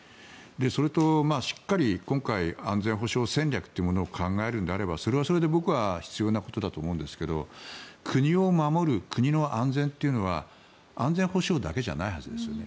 それと、しっかり今回安全保障戦略というものを考えるのであればそれはそれで僕は必要なことだと思うんですが国を守る、国の安全というのは安全保障だけじゃないはずですよね。